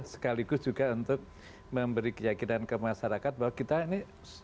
sekaligus juga untuk memberi keyakinan ke masyarakat bahwa kita ini